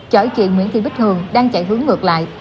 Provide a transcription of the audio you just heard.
chởi chuyện nguyễn thi bích hường đang chạy hướng ngược lại